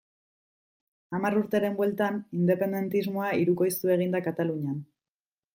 Hamar urteren bueltan, independentismoa hirukoiztu egin da Katalunian.